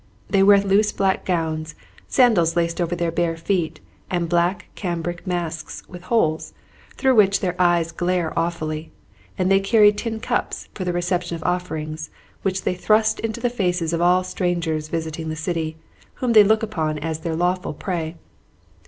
They wear loose black gowns, sandals laced over their bare feet, and black cambric masks with holes, through which their eyes glare awfully; and they carry tin cups for the reception of offerings, which they thrust into the faces of all strangers visiting the city, whom they look upon as their lawful prey.